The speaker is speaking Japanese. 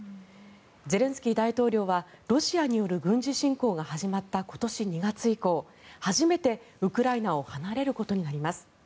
ゼレンスキー大統領はロシアによる軍事侵攻が始まった今年２月以降、初めてウクライナを離れることになります。